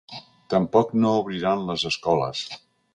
Tampoc no obriran les escoles.